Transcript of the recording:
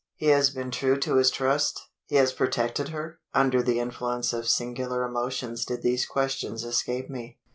"He has been true to his trust? He has protected her?" Under the influence of singular emotions did these questions escape me.